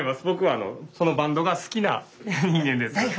僕はそのバンドが好きな人間です。